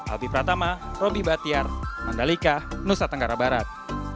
albi pratama robby bahtiar mandalika nusa tenggara barat